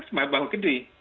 semua bangun gede